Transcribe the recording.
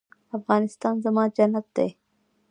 افغانستان زما جنت دی